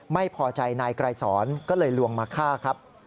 ไม่พอใจนายไกรสอนก็เลยลวงมาฆ่าครับ